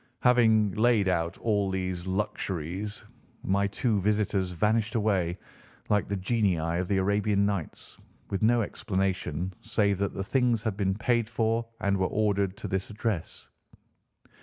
Having laid out all these luxuries, my two visitors vanished away, like the genii of the Arabian Nights, with no explanation save that the things had been paid for and were ordered to this address.